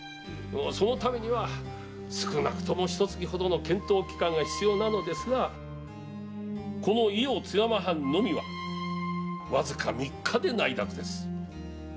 そのためには少なくとも一か月ほどの検討期間が必要なのですがこの伊予津山藩のみはわずか三日で内諾です。